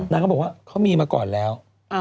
เขาบอกว่าเขามีมาก่อนแล้ว